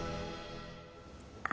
あ！